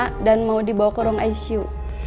ini yang mau dibawa ke ruang icu